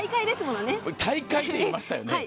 「大会」って言いましたよね。